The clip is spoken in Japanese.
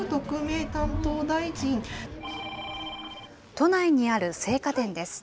都内にある生花店です。